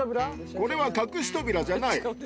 これは隠し扉じゃない。